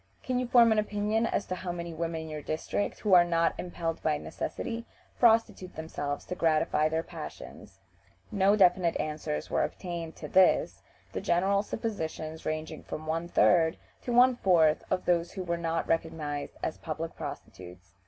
"Can you form an opinion as to how many women in your district, who are not impelled by necessity, prostitute themselves to gratify their passions?" No definite answers were obtained to this, the general suppositions ranging from one third to one fourth of those who were not recognized as public prostitutes.